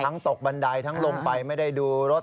ตกบันไดทั้งลงไปไม่ได้ดูรถ